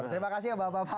terima kasih ya bapak bapak